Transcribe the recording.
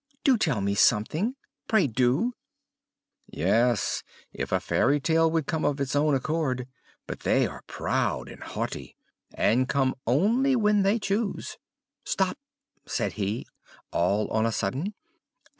"Do tell me something! Pray do!" "Yes, if a fairy tale would come of its own accord; but they are proud and haughty, and come only when they choose. Stop!" said he, all on a sudden.